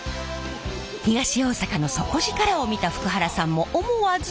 東大阪の底力を見た福原さんも思わず。